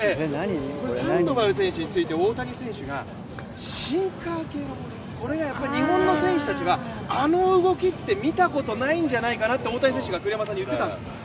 サンドバル選手について大谷選手がシンカー系をこれが日本の選手たちがあの動きって見たことないんじゃないかなって大谷選手が栗山さんに言っていたんです。